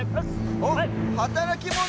おっはたらきモノ